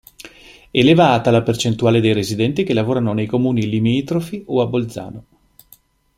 Elevata la percentuale dei residenti che lavorano nei comuni limitrofi o a Bolzano.